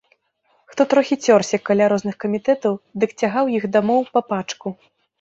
Хто трохі цёрся каля розных камітэтаў, дык цягаў іх дамоў па пачку.